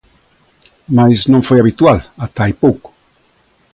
Mais non foi habitual, ata hai pouco.